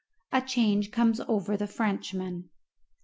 A CHANGE COMES OVER THE FRENCHMAN.